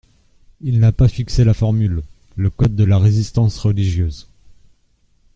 Il n'a pas fixé la formule, le code de la résistance religieuse.